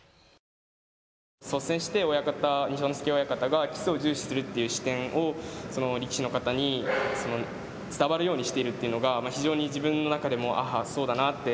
率先して二所ノ関親方が基礎を重視するという視点を力士の方に伝わるようにしているというのが非常に自分の中でもそうだなって。